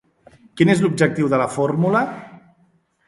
Quin és l'objectiu de la fórmula?